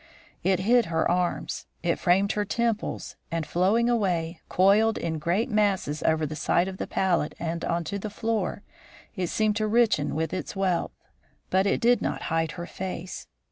It hid her arms, it framed her temples, and, flowing away, coiled in great masses over the side of that pallet and onto the floor it seemed to richen with its wealth. But it did not hide her face.